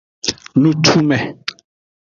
Nutume.